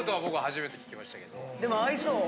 でも合いそう。